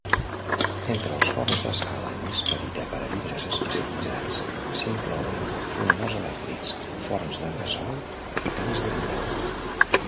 Entre els forns d'escala més petita per a vidres especialitzats, s'inclouen fonedors elèctrics, forns de gresol i tancs de dia.